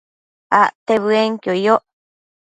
Acte bëenquio yoc